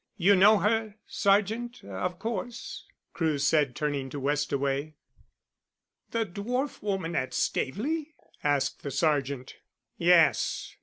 You know her, sergeant, of course?" Crewe said, turning to Westaway. "The dwarf woman at Staveley?" asked the sergeant. "Yes.